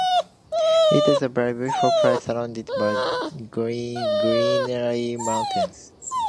It is a very beautiful place surrounded by greenery mountains.